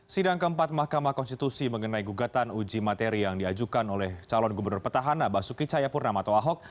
sidang keempat mahkamah konstitusi mengenai gugatan uji materi yang diajukan oleh calon gubernur petahana basuki cayapurnama atau ahok